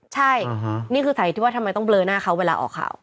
ใช่นี่คือสาเหตุที่ว่าทำไมต้องเบลอหน้าเขาเวลาออกข่าว